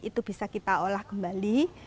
itu bisa kita olah kembali